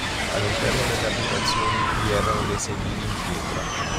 All'interno delle abitazioni vi erano dei sedili in pietra.